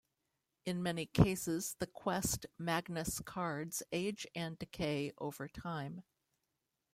In many cases, the quest Magnus cards age and decay over time.